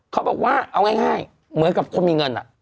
เขาบอกว่าเอาง่ายเหมือนกับคนมีเงิน